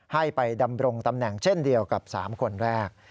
ให้ไปดำรงตำแหน่งเช่นเดียวกับ๓คนแรก